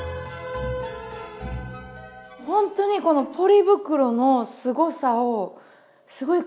ほんとにこのポリ袋のすごさをすごい感じました。